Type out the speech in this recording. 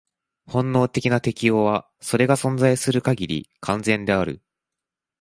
本能的な適応は、それが存在する限り、完全である。